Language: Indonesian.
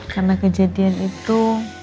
karena kejadian itu